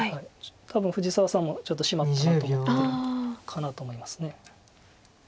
多分藤沢さんもちょっとしまったなと思ってるかなと思います。